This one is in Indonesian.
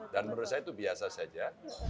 dan menurut saya itu biasa saja